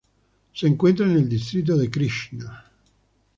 Se encuentra en el distrito de Krishna.